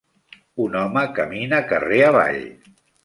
Un home camina carrer avall.